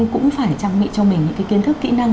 cũng phải trang bị cho mình những cái kiến thức kỹ năng